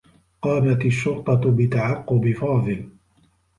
قامت الشّرطة بتعقّب فاضل.